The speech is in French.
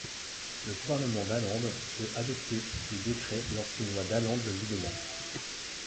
Le gouvernement d'Åland peut adopter des décrets lorsqu'une loi d'Åland le lui demande.